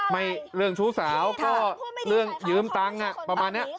เรื่องชู้สาวก็เรื่องยืมตังค์ประมาณนี้